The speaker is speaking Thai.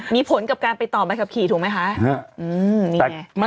มีผลกับการไปต่อใบขับขี่ถูกไหมคะ